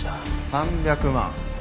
３００万。